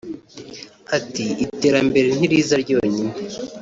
Ati “Iterambere ntiriza ryonyine